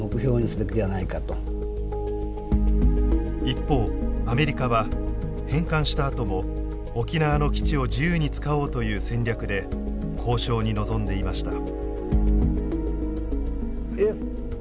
一方アメリカは返還したあとも沖縄の基地を自由に使おうという戦略で交渉に臨んでいました。